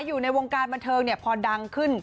อยู่ในวงการบรรเทิงพอดังขึ้น